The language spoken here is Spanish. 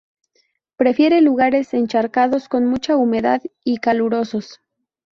Prefiere lugares encharcados, con mucha humedad, y calurosos.